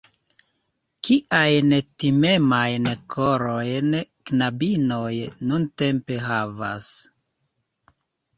Kiajn timemajn korojn knabinoj nuntempe havas!